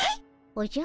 おじゃ？